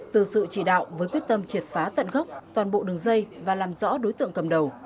từ sự chỉ đạo với quyết tâm triệt phá tận gốc toàn bộ đường dây và làm rõ đối tượng cầm đầu